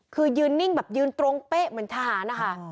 คือยืนนิ่งแบบยืนตรงเป๊ะเหมือนทหารนะคะ